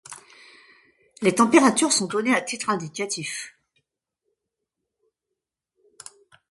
Les températures sont données à titre indicatif.